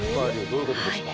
どういうことですか？